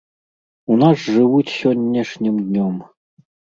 У нас жывуць сённяшнім днём.